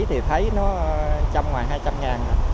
thì thấy nó chăm ngoài hai trăm linh ngàn